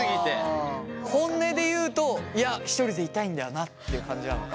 本音で言うといやひとりでいたいんだよなって感じなのか？